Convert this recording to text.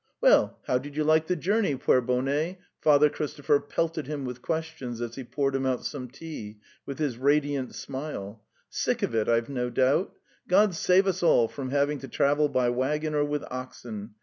'"" Well, how did you like the journey, puer bone?" Father Christopher pelted him with questions as he poured him out some tea, with his radiant smile. " Sick of it, I've no doubt? God save us all from having to travel by waggon or with oxen.